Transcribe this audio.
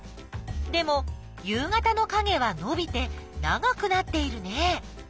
でも夕方のかげはのびて長くなっているね。